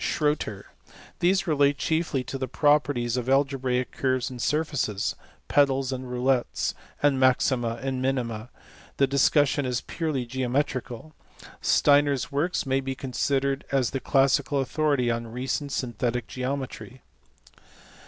Schroeter : these relate chiefly to properties of algebraic curves and surfaces, pedals and roulettes, and maxima and minima ; the discussion is purely geometrical. Steiner s works may be considered as the classical authority on recent synthetic geometry.